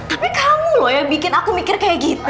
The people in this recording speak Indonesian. tapi kamu loh yang bikin aku mikir kayak gitu